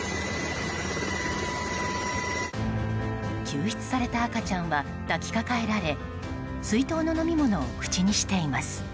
救出された赤ちゃんは抱きかかえられ水筒の飲み物を口にしています。